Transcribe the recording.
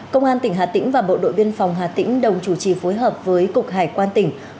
công an tỉnh hà tĩnh và bộ đội biên phòng hà tĩnh đồng chủ trì phối hợp với cục hải quan tỉnh